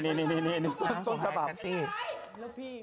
คัตตี้คัตตี้คัตตี้คัตตี้